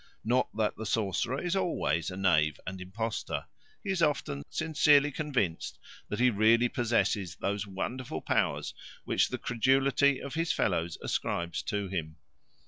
Not that the sorcerer is always a knave and impostor; he is often sincerely convinced that he really possesses those wonderful powers which the credulity of his fellows ascribes to him.